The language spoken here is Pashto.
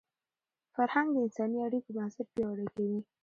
فرهنګ د انساني اړیکو بنسټ پیاوړی کوي.